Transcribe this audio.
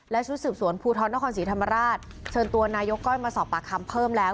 และชุดสืบสวนภูทรนครศรีธรรมราชเชิญตัวนายกก้อยมาสอบปากคำเพิ่มแล้ว